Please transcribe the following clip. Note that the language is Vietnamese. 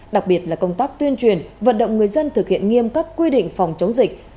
đặc biệt là công tác tuyên truyền vận động người dân thực hiện nghiêm các quy định phòng chống dịch